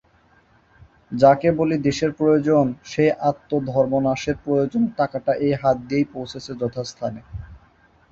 যাকে বলি দেশের প্রয়োজন সেই আত্মধর্মনাশের প্রয়োজনে টাকাটা এই হাত দিয়েই পৌছেছে যথাস্থানে।